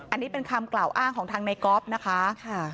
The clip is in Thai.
อันนี้เป็นคำกล่าวอ้างของทางในก๊อฟนะคะ